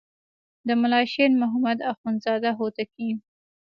د ملا شیر محمد اخوندزاده هوتکی.